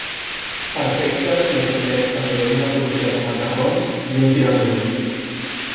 Perfecte si afegeix també una porció de macarrons, i un tiramisú.